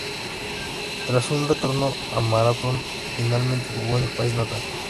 Tras un retorno a Marathón, finalmente jugó en su país natal.